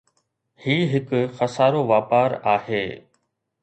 هي هڪ خسارو واپار آهي.